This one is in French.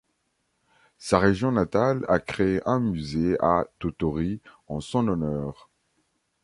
Sa région natale a créé un musée à Totorri en son honneur.